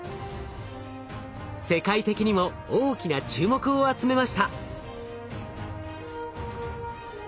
世界的にも大きな注目を集めました。